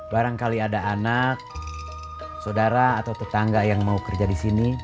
barangkali ada anak saudara atau tetangga yang mau kerja di sini